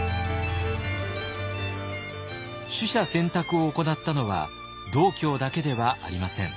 取捨選択を行ったのは道教だけではありません。